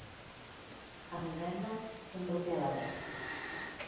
A vivenda en propiedade.